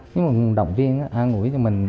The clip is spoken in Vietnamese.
những động viên an ủi cho mình